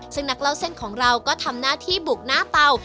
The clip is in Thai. ซึ่งนักเล่าเส้นของเราก็ทำหน้าที่บุกหน้าเตา